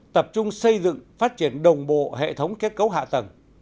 tập trung xây dựng phát triển đồng bộ hệ thống kết cấu hạ tầng